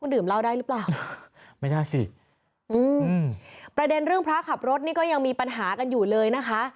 ดื่มเหล้าได้หรือเปล่าไม่ได้สิอืมประเด็นเรื่องพระขับรถนี่ก็ยังมีปัญหากันอยู่เลยนะคะ